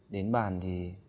đến bàn thì